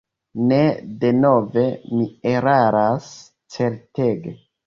Ne, denove mi eraras, certege.